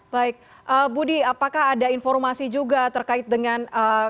baik budi apakah ada informasi juga terkait dengan